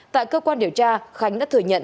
tại cơ quan điều tra khánh đã thừa nhận